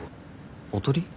おとり？